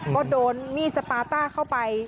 ก็โดนมีดสปาต้าเข้าไป